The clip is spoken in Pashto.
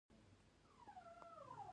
زړه د ایمان ټکان دی.